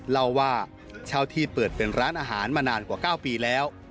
เล่าว่าเช่าที่เปิดเป็นร้านอาหารมานานกว่า๙ปีแล้ว